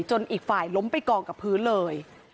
อีกฝ่ายล้มไปกองกับพื้นเลย